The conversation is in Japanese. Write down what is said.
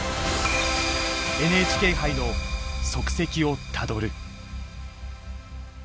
ＮＨＫ杯の足跡をたどる。